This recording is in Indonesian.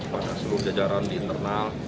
pada seluruh jajaran di internal